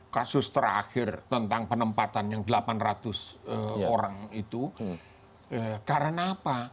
kasus terakhir tentang penempatan yang delapan ratus orang itu karena apa